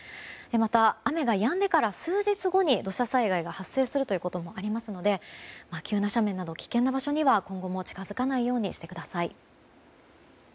また、雨がやんでから数日後に土砂災害が発生するということもありますので急な斜面など危険な場所には、今後も近づかないようにしてください。